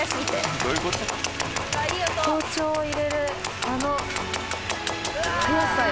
包丁を入れるあの速さよ。